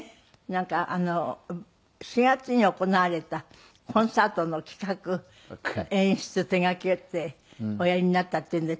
なんか４月に行われたコンサートの企画演出手がけておやりになったっていうので。